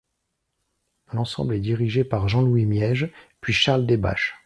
L'ensemble est dirigé par Jean-Louis Miège, puis Charles Debbash.